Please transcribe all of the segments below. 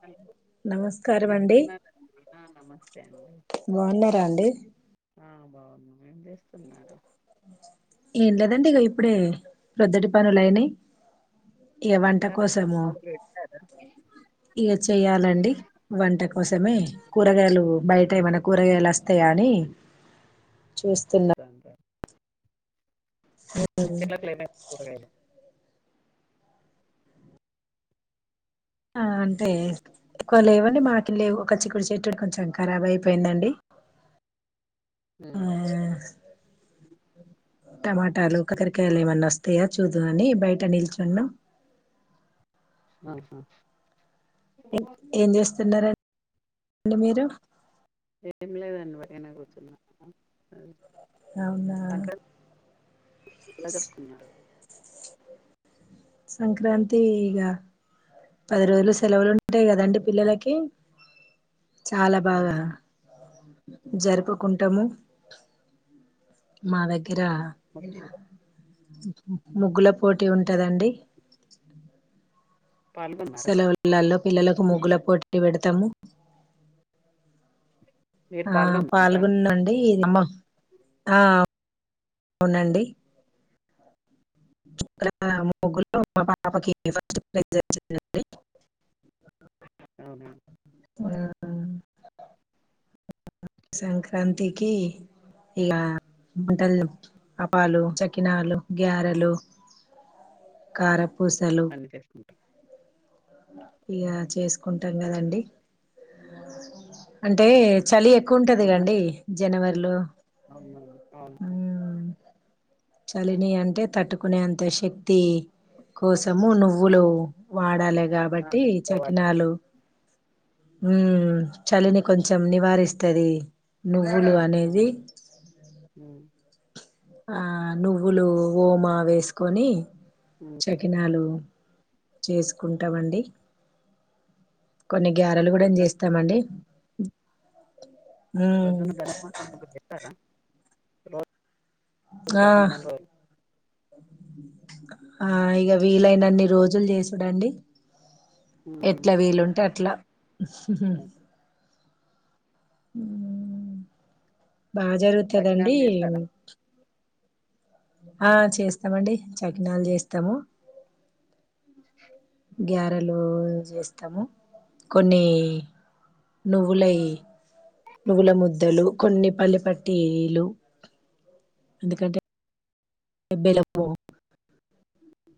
Hello ఏం నమస్కారం అండి చేస్తున్నారు అండి ఆ నమస్తే అండి బాగున్నారా అండి బావున్నాం ఏం చేస్తున్నారు ఏం లేదండి ఇక ఇప్పుడే ప్రొదటి పనులులైనై ఏ వంట కోసమో మొదలు పెట్టారా ఇగా చెయ్యాలండి వంట కోసమే, కూరగాయలు బయట ఏమైనా కూరగాయలు అస్ తాయని చూస్తంటే [unintelligible] కూరగాయలు అంటే ఎక్కువ లేవండి మాకి లేవు ఒక చిక్కుడు చెట్టుడు కొంచెం కరాబ్ అయిపోయిందండి ఉ ఆ టమాటాలు ఒకకరకాయలు ఏమన్నా వస్తాయా చూదు అని బయట నిల్చున్నం ఆహా ఏ ఏం జేస్తు తిన్నారండి అండి మీరు ఏం లేదండి వూరికనే కూర్చున్నా అవునా ఎలా జరుపుకున్నారు సంక్రాంతి ఇగా పది రోజులు సెలవులు ఉంటాయి కదండి పిల్లలకి చాలా బాగా అవునండి జరుపుకుంటాము మా దగ్ గ్గిర మ- ముగ్గుల పోటీ ఉంటదండి పాల్గొన్నారా సెలవులల్లో పిల్లలకు ముగ్గుల పోటీ పెడతాము మీరు ఆ పాల్గొన్నారా పాల్గొన్నా అండి ఆ అవునండి ఇక్కడ ముగ్గులో మా పాపకి ఫస్ట్ ప్రైజ్ వచ్చింది అండి అవునా ఉమ్ సంక్రాంతికి ఇగ వంటలు అపాలు చక్కినాలు గ్యారెలు కారప్ బండికేసుకుంటాం యా చేసుకుంటాం కదండి అంటే చలి ఎక్కువ ఉంటది ప్రొద్దున కండి జనవరిలో అవునవును అవును ఊ చలిని అంటే తట్టుకునేంత శక్తి కోసము నువ్వులు వాడాలె ఆ, కాబట్టి చేసుకోవాలి. చక్కినాలు ఉమ్ చలిని కొంచెం నివారిస్తది నువ్ వ్వులు అనేది అవును ఉమ్ ఆ నువ్వులు ఓమా వేసుకొని ఉమ్ చకినాలు చేసుకుంటాం అండి కొన్ని గ్యారలు కూడా ఏం ప్రొద్దున చేస్తామండి మ్మ్ ప్రొద్దున ధనుర్మాసం పూజ జేస్తారా ఆ [unintelligible] [unintelligible] ఆ ఇగ వీలైనన్ని రోజులు జేసుడండి ఉమ్ ఎట్లా వీలుంటే అట్లా ఆ. హ్మ్ బా లగ్నాలు జరుగుతుందండి చేస్తారా ఆ చేస్తామండి చకినాలు చేస్తాము గ్యారలు చేస్తాము కొన్ని నువ్వులయి నువ్వుల ముద్దలు కొన్ని పల్లిపట్టిలు ఎందుకంటే ఎ బెల్లం పో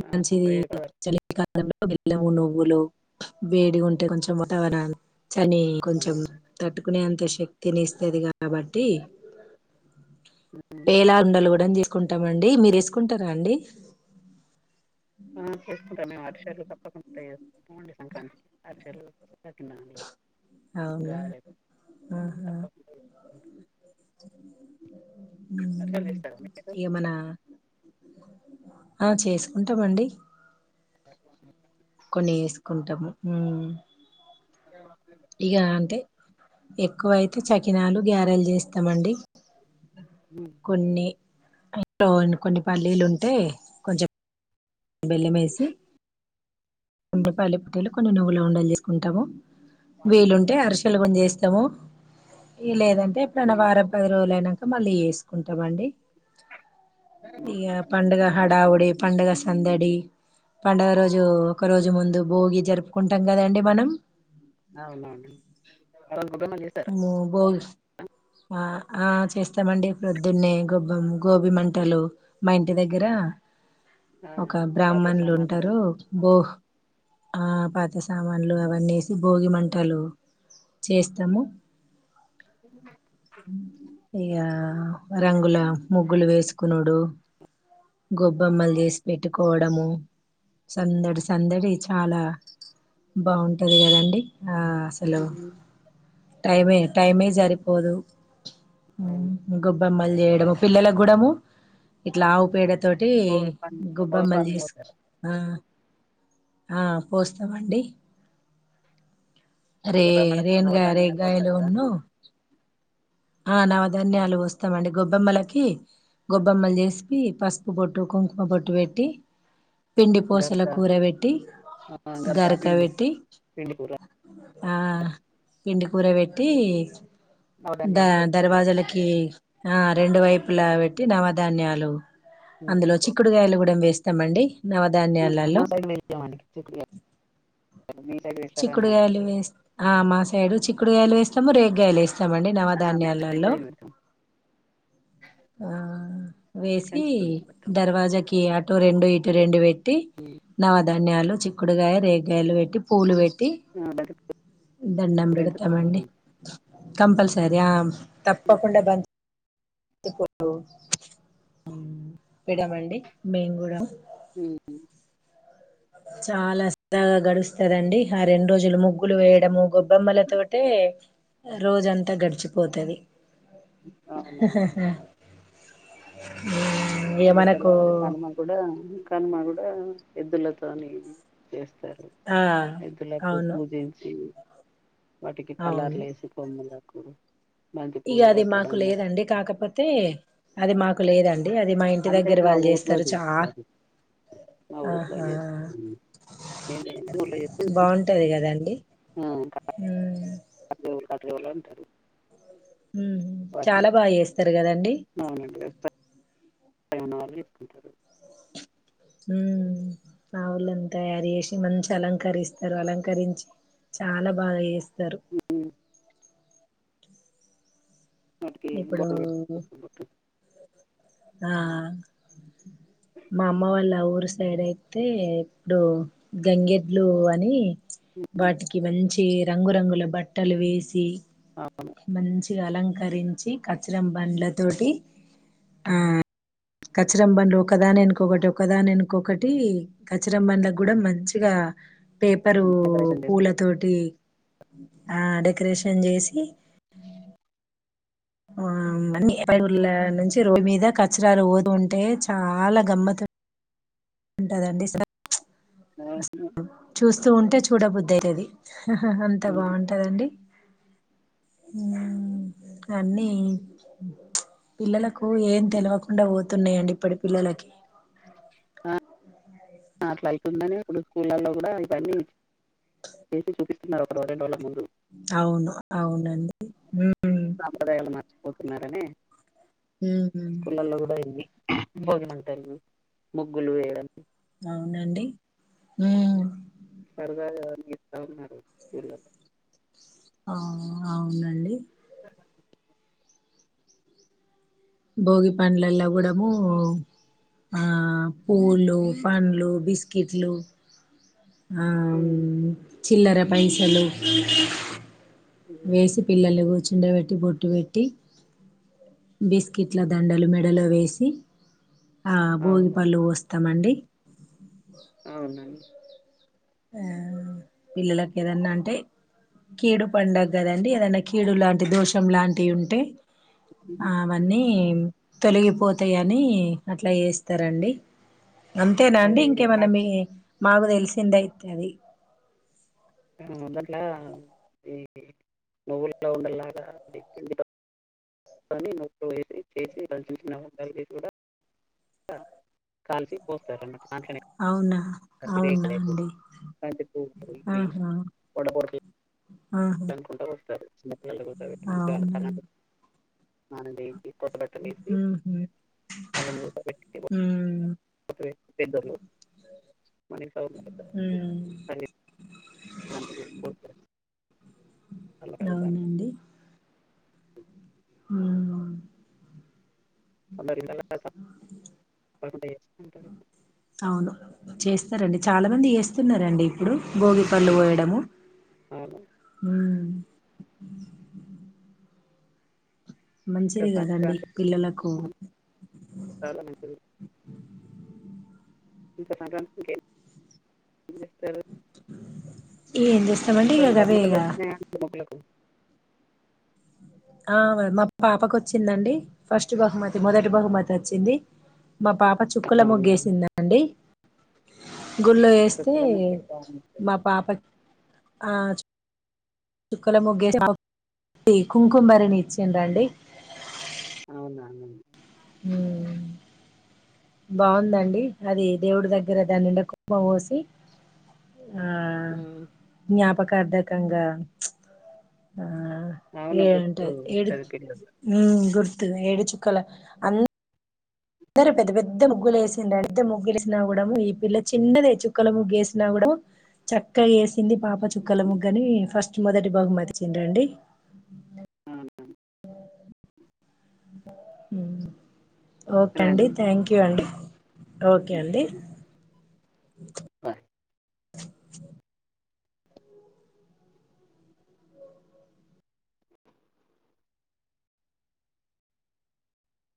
ఆ మంచిది వేడి చలి కాలంలో బెల్లం నువ్వులు నువ్వులు వేడి ఉంటే కొంచెం వాతావరణన్ని చలి కొంచెం పదార్థాలు తట్టుకునే అంత శక్తిని ఇస్తది కాబట్టి పేలాల ఉండలు కూడా కుంటం అండి మీరు వేసుకుంటారా అండి ఆ చేసుకుంట మేమది చీరాలు కొత్తగా ఉంటాయి మోండి సంక్రాంతి అరిసెలు పెట్నాలుం అవునా గారెలు ఆహా అరిసెలు ఉమ్. చేస్తారా మీరు ఇక మన ఆ చేసుకుంటామండి కొన్ని వేసుకుంటాము ఉమ్ [unintelligible] ఇక అంటే ఎక్కువ అతే చకినాలు గారెలు చేస్తామండి కొన్ని ఇం కొన్ని పల్లీలు ఉంటే కొంచెం బెల్లమేసి [unintelligible] వీలుంటే అరిచె పెళ్లి కొడుకుని చేస్తాము లేదండి చెప్పినా వారం పది రోజులు అయినాక మళ్ళీ వేసుకుంటామండి ఇగ పండుగ హడావుడి పండుగ సందడి పండుగ రోజు ఒక రోజు ముందు భోగి జరుపుకుంటాం కదండి మనం అవును అండి అవును బోల్ బోల్ట్స్ ఆ ఆ చేస్తామండి పొద్దున్నే గొబ్బం గోబి మంటలు మా ఇంటి దగ్గర ఆ ఒక పాత బ్రాహ్మణులు సామాన్లు ఉంటారు ఓహ్ ఆ పాత సామాన్లు అవన్నీ ఏసి భోగి మంటలు చేస్తాము [unintelligible] ఆ రంగుల ముగ్గులు వేసుకునుడు గొబెమ్మల్ అవును చేసి పెట్టుకోవ అమ్మో సందడి సందడి చాలా బాగుంటది కదండి ఆ అసలు టైమే టైమే జరిపోదు అవును ఉమ్ గబ్బ బొమ్మలు చేయడము పిల్లల గుడము ఇట్లా ఆవు పేడత్ తోటి భోగి పండ్లు భోగి గొబ్బెమ్మలు పండ్లు చేసు పోస్తారా ఆ ఆ పోస్తామండి అరే గొబ్బెమ్మలకు రేన్గా రేయ్ నవధాన్యాలు గయలో పోస్తారా ఉన్ను ఆ నవధాన్యాలు వస్తామండి గొబ్బెమ్మలకి గొబ్బెమ్మలు చేసిపి పసుపు బొట్టు కుంకుమ బొట్టు వెట్టి పిండి పొసల గరక కూర వెట్టి ఆ గరక పిండి వెట్టి పిండి కూర ఆ పిండి కూర వెట్టి ద నవధాన్యాలు దర్వాజా లకి ఆ రెండు వైపులా పెట్టి నవధాన్యాలు అందులో చిక్కుడుగాయలు కూడా వేస్త తమ్మండి నవధాన్యాలలో మా సైడ్ వెయ్యమండి చిక్కుడుగాయలు మీ సైడ్ వేస్తారని చిక్కుడుగాయలు వేస్తా మా సైడు చిక్కుడుగాయలు వేస్తాము రే గలేస్తామండ్ అ మేము నవధాన్యాలలో దగ్గరనే పెడతాం ఆ వేసి కానీ చిక్కుడుగాయలు పెడతాం దర్వాజాకి అట్ అటు రెండు ఇటు రెండు వెయ్ టి నవద్ ధాన్యాలు చిక్కుడుగాయ రేగగాయలు పెట్టి పూలు వెట్ బంతి దండం పూలైతే బెడతం అండి తప్పకుండా కంపల్ స్ తరియం తప్పకుండా బంత్ ప్పుడు పెడమండి మేం గూడ ఉహు చాలా సరదాగా గడుస్తదండి ఆ రెండు రోజులు ముగ్గులు వేయడము గొబ్బెమ్మల తోటే రోజంతా గడిచిపోతది అవునండి ఇగ మళ్ళ మనకు తెల్లవారి కనుమగుడా కనుమగుడా ఎద్దుల తోని చేస్ తారు ఆ ఎద్దులకు అవును పూజించి వాటికి అవును కలర్లు వేసి కొమ్ములకు బంతి ఇగ పూలు అది మాకు కట్టడం మేడం లేదండి కాకపోతే అది మాక్ ఉక్కు లేదే అన్ అది మా ఇంటి అంటే దగ్గర మా వాళ్ళు ఊర్లో చేస్తారు చాలా మా ఊర్లో ఆహా చేస్తారు మేము ఊర్లో చేస్తే బాగుంటది గదా అండి ఉ అట్ల ఎవలు అంటరు. హ్ చాలా బాగా చేస్తరు కదండి. ప్రయణాలు [inaudible] టరు. హ్ ఆవులను తయారు చేసి మంచిగా అలంకరిస్తరు. అలంకరించి చాలా బాగా చేస్ స్తరు ఉమ్ ఆటుకేయి ఇప్పుడు ఎంపోతవు [inaudible] ఆ మా అమ్మ వాళ్ళ ఊర్ అటు సైడ్ అయితే ఇప్పుడు గంగెడ్లు అని ఉమ్ వాటికి మంచి ఈ రంగురంగుల బట్టలు వేసి అవును మంచి అలంకరించి కచ్చిరం బండ్ల తోటి ఆ కచ్చరం బండ్లు ఒకదాని వెనుకొకటి ఒకదాని వెనుకొకటి కచ్చిరం బండ్లకు గుడా మంచిగా పేపరు డెకరేషన్ చేస్తారు పూలతోటి ఆ డెకరేషన్ చేసి ఆ ఊర్ల నుంచి రోడ్ మీద కచరాలు పోతుంటే చాలా గమ్మతు ఉంటదండి స చ్ ఆ చూస్తూఉంటే చూడబుద్దయితది. అంతా ఉమ్ బావుంటదండి. హ్ అన్నీ చ్ పిల్లలకు ఏం తెలవకుండా పోతున్నయండి ఇప్పటి పిల్లలకి. ఆ అట్లా అయితుందని ఇప్పుడు స్కూళ్లలో కూడా ఇవన్నీ చేసి చూపిస్తున్నరు ఒకటి రెండు రోజుల ముందు. అవును అవునండి. హ్ పోతున్నారని మ్మ్ స్కూలల్లో కూడా ఇవి బోగిమంటలు, ముగ్గులు వేయడం అవునండి హ్ సరదాగా గీత్తా ఉన్నారు పిల్లలు. ఆ అవునండి. బోగి పండ్లల్లా కూడము ఆ పువ్వులు పండ్లు, బిస్కిట్లు ఆ ఉమ్ హ్ చిల్లర పైసలు ఉమ్ వేసి పిల్లల్ని కూర్చో ండ పెట్టి బొట్టు పెట్టి బిస్కిట్ల దండలు మెడలో వేసి ఆ అవును భోగిపళ్ళు వొస్తామండి. అవ్నండి ఆ పిల్లలకు ఏదన్నా అంటే కీడు పండగ గదండి ఏదన్నా కీడు లాంటి దోషం లాంటివ్ ఉంటే ఆ ఉమ్ మన్నీ తొలగిపోతాయని అట్లా చేస్తారండి అంతేనా అండి అది ఇంకేమన్నా మీ మాగుతెలిసిందయి అది మొదట్లా ఈ నువ్వుల ఉండల్లాగా [unintelligible] [inaudible] అవునా అవునా అండి ఆహా [inaudible] ఆహా అనుకుంట వస్తారు. [inaudible] అవునా మనదేంటి ఉహు ఉమ్ [unintelligible] [unintelligible] ఉమ్ అవునండి [inaudible] [unintelligible] అవును చేస్తారండి [unintelligible] చాలా మంది ఏస్తున్నారండి ఇప్పుడు భోగిపళ్ళు ఆ, పోయడము అవును. ఇంకా మంచిది గదండి సంక్రాంతి పిల్లలకు చాలా మంచిది [unintelligible] ఏం చేస్తామండి ఇక గవే ఇగ [inaudible] ఆ మా పాపకు వొచ్చిందండి ఫస్ట్ బహుమతి మొదటి బహుమతి వొచ్చింది మా పాప చుక్కల అవునా ముగ్గేసిందండి గుళ్ళో యేస్తే చుక్కల ముగ్గులు బాగుంది మా పాప ఆ చు చుక్కల ముగ్గేస్తే పాప్కి కుంకుమ్బరిని ఇచ్చిం డండి అవును అవును హ్మ్ బావుందండి అది దేవుడి దగ్గర దాన్‌నిండా కుంభం బోసి హు ప్ప కార్దకంగా ఆ అవును ఏట్ గుర్తు ఏడు ఉంటది పిల్లలు హు గుర్ ఏడుచుక్కల అన్ దరు పెద్ద పెద్ద ముగ్గులు వేసిండ్ పెద్ద ముగ్గులు వేసినా కూడం ఈ పిల్ల చిన్నదే చుక్కల ముగ్గు వేసినా కూడము చక్కగా ఏసి కింది పాప చుక్కల ముగ్గని ఫస్ మొదటి బాగుమతిచిండ్రండి అ ఉ ఓకే అండి సరేనండి థ్యాంక్ యూ అండి ఓకే అండి అ పర్